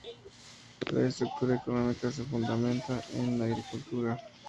La estructura económica se fundamenta en la agricultura.